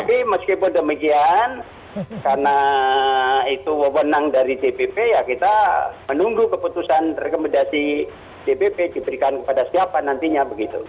tapi meskipun demikian karena itu wewenang dari dpp ya kita menunggu keputusan rekomendasi dpp diberikan kepada siapa nantinya begitu